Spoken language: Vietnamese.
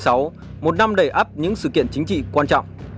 năm hai nghìn một mươi sáu một năm đầy áp những sự kiện chính trị quan trọng